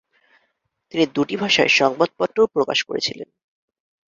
তিনি দুটি ভাষায় সংবাদপত্রও প্রকাশ করেছিলেন।